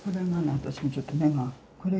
私もちょっと目が。